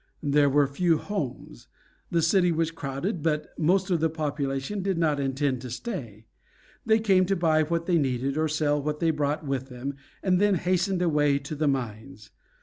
There were few homes. The city was crowded; but most of the population did not intend to stay. They came to buy what they needed, or sell what they brought with them, and then hasten away to the mines.